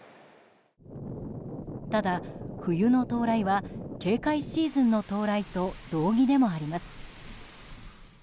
ただ、冬の到来は警戒シーズンの到来と同義でもあります。